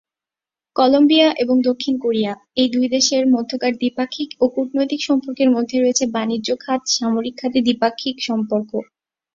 Colombia এবং দক্ষিণ Korea, এই দুই দেশের মধ্যকার দ্বিপাক্ষিক ও কূটনৈতিক সম্পর্কের মধ্যে রয়েছে বাণিজ্য খাত সামরিক খাতে দ্বিপাক্ষিক সম্পর্ক।